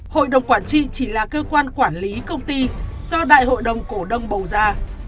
hội đồng quản trị chỉ là cơ quan quản lý công ty do đại hội đồng cổ đông bầu ra